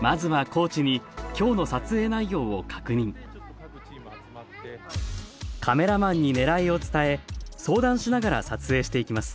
まずはコーチに今日の撮影内容を確認カメラマンにねらいを伝え相談しながら撮影していきます